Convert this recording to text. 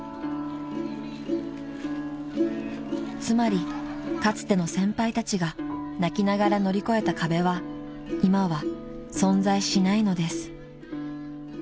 ［つまりかつての先輩たちが泣きながら乗り越えた壁は今は存在しないのです］